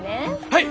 はい！